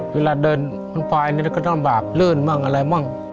เวลาเดินทั้งปลายนี่ก็ต้องบากลื่นมากอะไรนะ